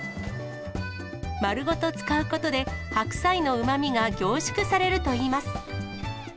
丸ごと使うことで、白菜のうまみが凝縮されるといいます。